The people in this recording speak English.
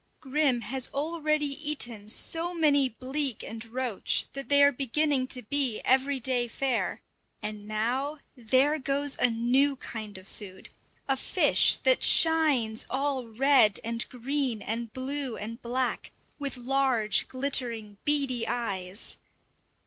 Grim has already eaten so many bleak and roach that they are beginning to be everyday fare; and now, there goes a new kind of food, a fish that shines all red and green and blue and black, with large, glittering, beady eyes!